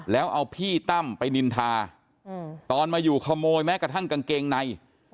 แล้วเอาพี่ตั้มไปนินทาตอนมาอยู่ขโมยแม้กระทั่งกางเกงใน